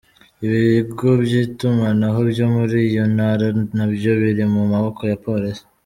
Ibigo by’itumanaho byo muri iyo ntara nabyo biri mu maboko ya Polisi.